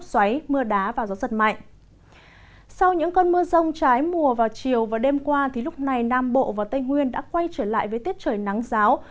sau những cơn mưa rông trái mùa vào chiều và đêm qua lúc này nam bộ và tây nguyên đã quay trở lại với tiết trời nắng giáo